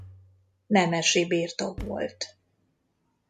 Nemesi birtok volt.